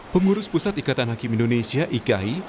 pengurus pusat ikatan hakim indonesia ikai